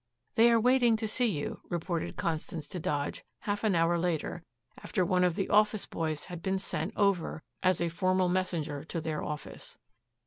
"They are waiting to see you," reported Constance to Dodge, half an hour later, after one of the office boys had been sent over as a formal messenger to their office.